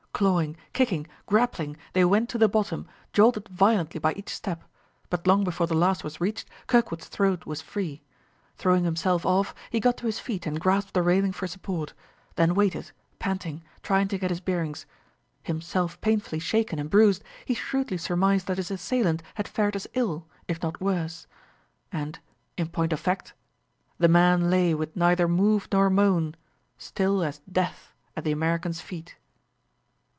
Clawing, kicking, grappling, they went to the bottom, jolted violently by each step; but long before the last was reached, Kirkwood's throat was free. Throwing himself off, he got to his feet and grasped the railing for support; then waited, panting, trying to get his bearings. Himself painfully shaken and bruised, he shrewdly surmised that his assailant had fared as ill, if not worse. And, in point of fact, the man lay with neither move nor moan, still as death at the American's feet.